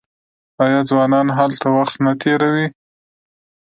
آیا ځوانان هلته وخت نه تیروي؟